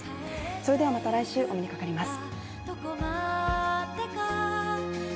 それではまた来週、お目にかかります。